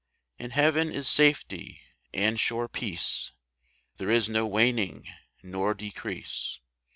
In heaven is safety and sure peace ; There is no waning nor decrease.